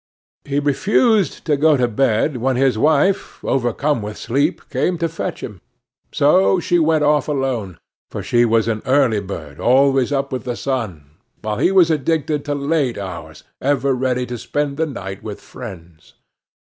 He refused to go to bed when his wife, overcome with sleep, came to fetch him. So she went off alone, for she was an early bird, always up with the sun; while he was addicted to late hours, ever ready to spend the night with friends.